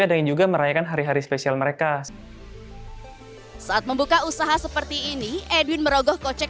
ada yang juga merayakan hari hari spesial mereka saat membuka usaha seperti ini edwin merogoh kocek